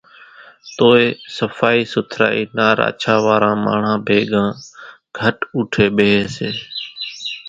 توئيَ صڦائِي سُٿرائِي نا راڇا واران ماڻۿان ڀيڳان گھٽ اُوٺيَ ٻيۿيَ سي۔